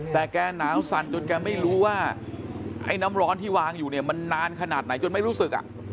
แต่แกหนาวสั่นจนแกไม่รู้ว่าไอ้น้ำร้อนที่วางอยู่เนี่ยมันนานขนาดไหนจนไม่รู้สึก